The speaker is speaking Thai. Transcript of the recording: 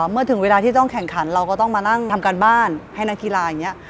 เมื่อถึงเวลาที่ต้องแข่งขันเราก็ต้องมานั่งทำการบ้านให้นักกีฬาอย่างนี้